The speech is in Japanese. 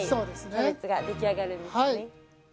キャベツが出来上がるんですね。